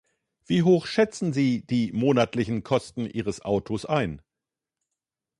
Wie hoch schätzen Sie die monatlichen Kosten Ihres Autos ein?